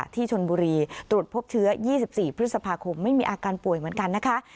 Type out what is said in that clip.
ที่ชนบุรีตรวจพบเชื้อ๒๔พฤษภาคมไม่มีอาการป่วยเหมือนกันนะคะ